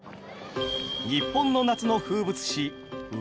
日本の夏の風物詩鵜飼漁。